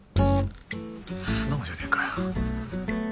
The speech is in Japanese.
素直じゃねえかよ。